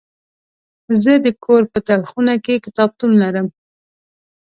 زه د کور په تلخونه کې کتابتون لرم.